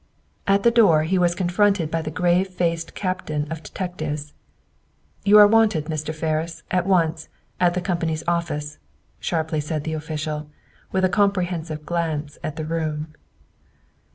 At the door, he was confronted by the grave faced captain of detectives. "You are wanted, Mr. Ferris, at once, at the company's office," sharply said the official, with a comprehensive glance at the room.